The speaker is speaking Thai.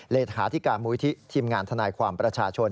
แลดถาที่การบูรณ์ที่ทีมงานทนายความประชาชน